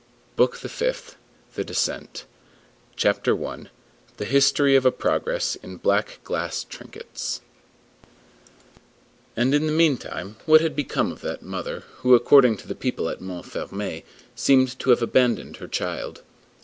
BOOK FIFTH—THE DESCENT CHAPTER I—THE HISTORY OF A PROGRESS IN BLACK GLASS TRINKETS And in the meantime, what had become of that mother who according to the people at Montfermeil, seemed to have abandoned her child?